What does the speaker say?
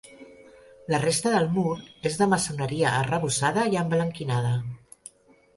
La resta del mur és de maçoneria arrebossada i emblanquinada.